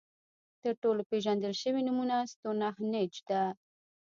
تر ټولو پېژندل شوې نمونه ستونهنج ده.